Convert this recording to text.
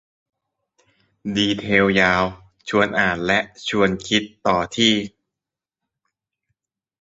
ดีเทลยาว ชวนอ่านและชวนคิดต่อที่